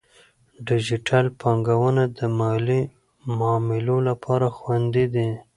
ډیجیټل بانکونه د مالي معاملو لپاره خوندي دي.